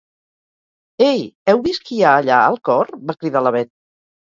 Ei, heu vist qui hi ha allà al cor? —va cridar la Bet.